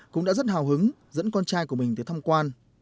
cũng đã rất hào hứng dẫn con trai của mình tới thăm quan